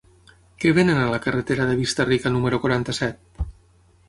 Què venen a la carretera de Vista-rica número quaranta-set?